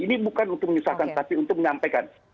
ini bukan untuk menyusahkan tapi untuk menyampaikan